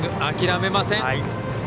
諦めません。